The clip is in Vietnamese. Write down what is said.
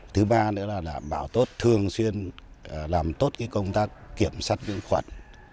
thứ ba nữa là bảo tốt thường xuyên làm tốt công tác kiểm soát những khoản